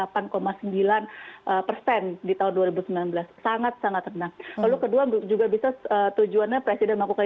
delapan sembilan persen di tahun dua ribu sembilan belas sangat sangat rendah lalu kedua juga bisa tujuannya presiden melakukan